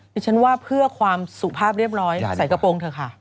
ดิฉันว่าเพื่อความสุภาพเรียบร้อยใส่กระโปรงเถอะค่ะ